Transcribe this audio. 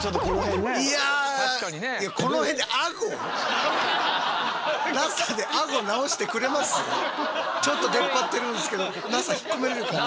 いやちょっと出っ張ってるんですけどＮＡＳＡ引っ込めれるかな？